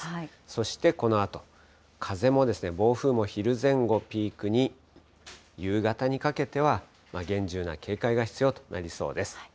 そしてこのあと、風も、暴風も昼前後ピークに、夕方にかけては厳重な警戒が必要となりそうです。